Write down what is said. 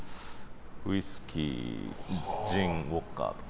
ウイスキージン、ウォッカとか。